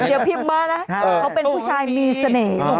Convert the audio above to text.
เดี๋ยวพิมพ์มานะเขาเป็นผู้ชายมีเสน่ห์